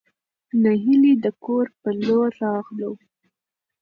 نهېلى د کور په لور راغلو.